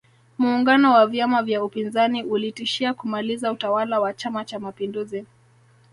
muungano wa vyama vya upinzani ulitishia kumaliza utawala wa chama cha mapinduzi